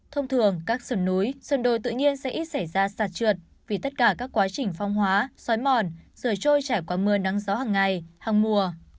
thông thường các sườn núi sườn đồi tự nhiên sẽ ít xảy ra sạt trượt vì tất cả các quá trình phong hóa xói mòn rửa trôi trải qua mưa nắng gió hằng ngày hằng mùa